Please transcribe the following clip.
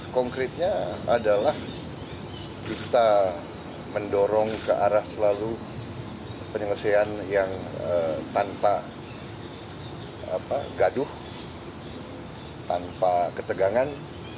konkretnya adalah kita mendorong ke arah selalu penyelesaian yang tanpa gaduh tanpa ketegangan